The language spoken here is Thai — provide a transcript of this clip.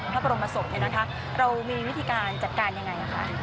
ถ้าเป็นประสบค่ะเรามีวิธีการจัดการยังไง